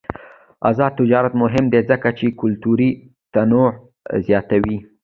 آزاد تجارت مهم دی ځکه چې کلتوري تنوع زیاتوي.